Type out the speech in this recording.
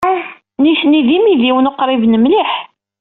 Nitni d imidiwen uqriben mliḥ.